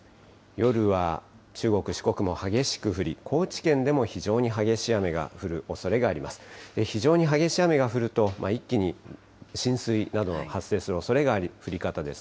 夜は中国、四国も激しく降り、高知県でも非常に激しい雨が降るおそれがあります。